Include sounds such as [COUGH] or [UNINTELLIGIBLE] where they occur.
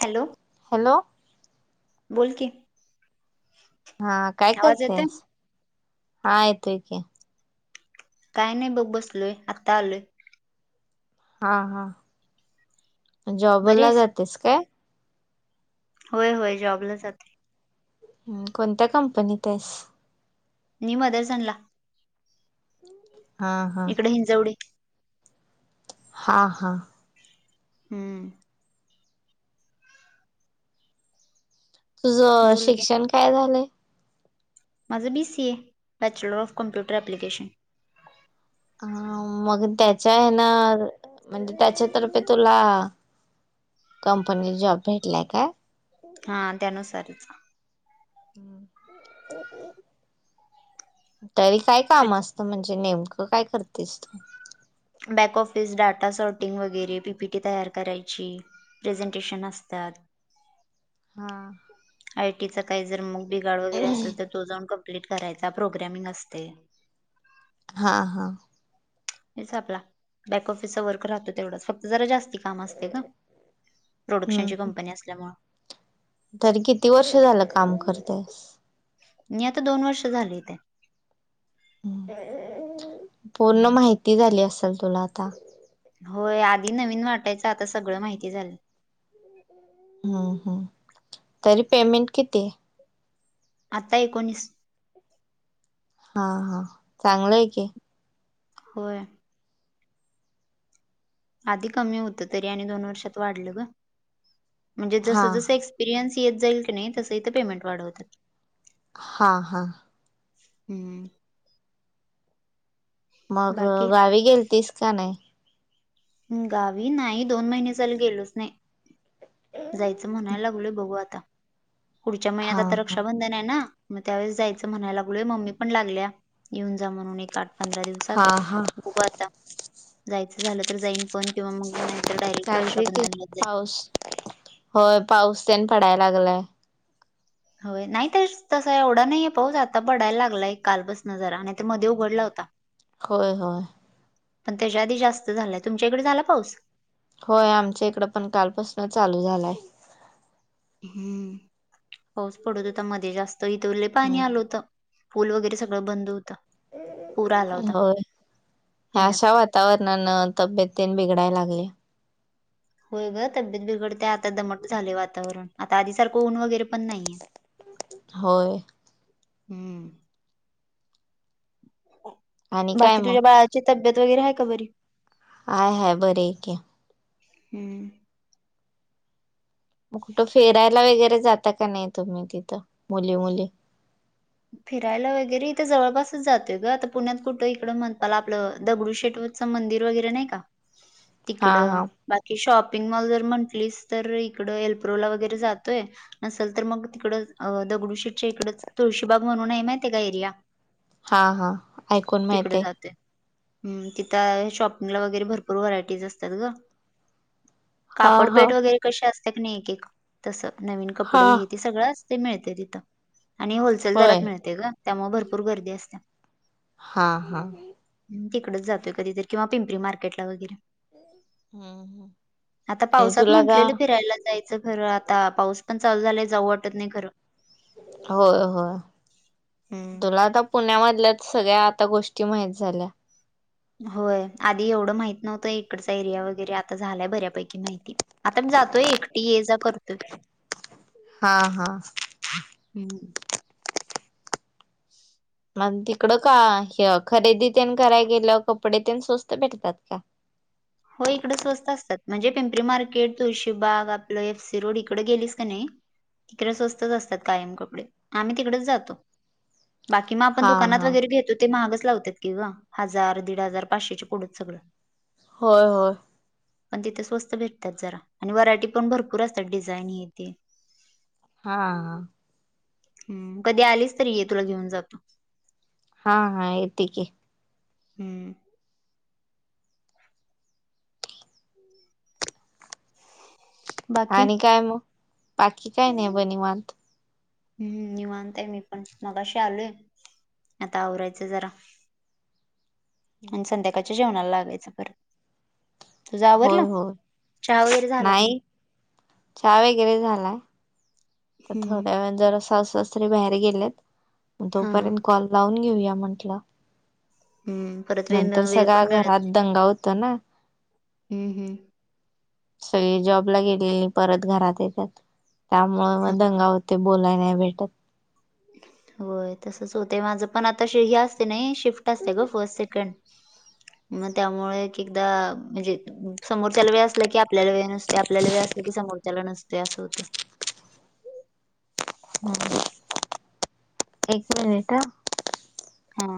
Hello hello बोल कि. हा काय करतेस? हा येतोय की. काय नाही बघ बसलोय. आता आलोय. हा हा बरी जॉबला आहेस जातेस काय? होय होय जॉबला जाते. हम कोणत्या कंपनीत आहेस? मी मदरसनला. हा हा इकडे हिंजवडी. हां हां हम् तुझं बोल की शिक्षण काय झालंय? माझं B C A bachelor of computer application. ह मग त्याच्या हे न म्हणजे त्याच्यातर्फे तुला- कंपनीत जॉब भेटलाय का? हा त्यानुसारच काम - हम्म तरी काय काम असत म्हणजे नेमकं काय करतेस तू? बॅक ऑफिस, डाटा शॉर्टिंग, वगैरे पीपीटी तयार करायची. प्रेझेंटेशन असत्यात. हा आय टीचा काही जर मग बिघाड वगैरे असेल तर तो जाऊन कंप्लीट करायचा प्रोग्रॅमिंग असतय. हां हा हेच आपला बॅक ऑफिसचा वर्क राहतो तेवढाच फक्त जरा जास्ती - काम असते का प्रोडक्शनची हम्म कंपनी असल्यामुळे- तरी किती वर्ष झालं काम करतेस? मी आता दोन वर्ष झाली इथ आहे. पूर्ण माहिती झाली असेल तुला आता. होय आधी नवीन वाटायचं आता सगळं माहिती झालय. हम्म हम् तरी पेमेंट किती आहे? आता एकोणीस. हा हा चांगलय की. होय. आधी कमी होत तरी आणि दोन वर्षात वाढलं ग म्हणजे जस हा जस एक्स एक्पिरियनस येत जाईल कनी तस इथं पेमेंट वाढवत्यात. हा हा हम्म मग बाकी गावी गेलतीस काय नाही? गावी नाही दोन महिने झाल गेलोच नाही. जायचं म्हणाय लागलोय बघू आता. पुढच्या महिन्यात हा आता हा रक्षाबंधन आहे ना. मग त्यावेळेस जायचं म्हणायला लागलय मम्मी पण लागल्या येऊन जा म्हणून एक आठ पंधरा दिवस हा हा हो आता जायचं झालं तर जाईन. किंवा मग नाही तर डायरेक्ट चालते की रक्षाबंधनला जा पाऊस होय पाऊस तेन पडाय लागलाय. होय नाही तर तसा एवढा नाहीये पाऊस आता पडायला लागलाय काल पासन जरा आणि ते मध्ये उघडला होता. होय होय. पण त्याच्या आधी जास्त झालंय तुमच्याकडे झाला पाऊस? होय आमच्या इकडं पण कालपासून चालू झालाय. हम्म पाऊस पडत होता मध्ये जास्त इथे लय पाणी आलं हम्म होतं पूल वगैरे सगळे बंद होता. [UNINTELLIGIBLE] पूर आला पुण्यात. वातावरणान तब्येतन ते बिघडायला लागले. होय ग तब्येत बिघडते आता दमट झाले वातावरण आता आधी सारखं ऊन वगैरे पण नाहीये. होय. हम्म. आणि काय बाकी मग तुझ्या बाळाची तब्येत वगैरे आहे का बरी. हय हाय बर आहेके. हम्म. मग कुठं फेरायला वगैरे जाता का नाही तुम्ही तिथे मुली मुली. फिरायला वगैरे जवळपासच जातोय ग आता पुण्यात कुठं इकडं म्हणपाला आपलं दगडू शेट. मंदिर वगैरे नाही का. [UNINTELLIGIBLE] तिकडे हा बाकी शॉपिंग मॉल जर म्हंटलीस तर इकडे एल्प्रोला वगैरे जातोय. नसेल तर मग तिकडे दगडूशीेटच्या इकडचे. तुळशीबाग म्हणून आहे माहिती आहे का एरिया हा हा ऐकून तिकडे माहितय जातते. ह तिथं शॉपिंगला वगैरे भरपूर व्हरायटीज असतात ग. हा हा कापडपेठ वगैरे कशी असते की नाही एक एक तसं नवीन कपडे हा हे. ते सगळं असते मिळते तिथं. आणि होलसेल होय दरात मिळते का त्यामुळे भरपूर गर्दी असते. हा हा. तिकडेच जातय कधी किवा पिंपरी मार्केटला वगैरे. हम्म आता हे पावसात तुला का म्हटलेले फिरायला जायच. खरं आता पाऊस पण चालू झालाय जाऊ वाटत नाही खरे. होय होय हम्म. तुला आता. पुण्यामधल्या सगळ्या आता गोष्टी माहित झाल्या. होय आधी एवढं माहित नव्हतं इकडचा एरिया वगैरे आता झालाय बऱ्यापैकी माहिती. आता मी जातोय एकटी ये जा करतोय. हा हा. हम्म. मग तिकडं का खरेदी ते करायला गेलं कपडे ते स्वस्त भेटतात का. हो इकडं स्वस्त असतात म्हणजे पिंपरी मार्केट तुळशीबाग आपलं एफ सी रोड इकडे गेलीस का नाही. तिकडे स्वस्तच असतात कायम कपडे आम्ही तिकडेच जातो. बाकी मग आपण हा दुकानात हा वगैरे घेतो ते महागच लावतात की ग हजार दीड हजार पाचशेच्या पुढंच सगळं. होय होय. पण तिथे स्वस्त भेटतात जरा आणि व्हरायटी पण भरपूर असतात डिझाईन हथे. हा ह. हम कधी आलीच तरी ये तुला घेऊन जातो. हा हा येत की. हम्म. बाकी आणि काय मग पाकी काय नाही बनिवत. हम्म मी मानताय मी पण मगाशी आलोय आता आवरायचं जरा. [INAUDIBLE] आणि संध्याकाळच्या जेवणाला लागायचं परर. तू होय आवरला होय चहा वगैरे झाला का. नाही चहा वगैरे झालाय तर हम्म थोड्या वेळ जरा बाहेर गेलेत हा हा तोपर्यंत कॉल लावून घेऊया म्हटलं हम्म परत वेळ नंतर वेळ सगळ्या पण घरात दंगा होत ना हम् हम सगळी जॉबला गेलेली नाही परत घरात येतात त्यामुळे हा. मग दंगा होते बोलाय नाही भेटत होय तसंच होत माझं पण आता हे असते नाही शिफ्ट असते ग फर्स्ट सेकंड मग त्यामुळे एक एकदा म्हणजे समोरच्याला वेळ असला की आपल्याला वेळ नसते आपल्याला वेळ असला की समोरच्याला नसते असं होते एक मिनिट ह हा